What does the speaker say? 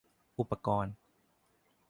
อุปกรณ์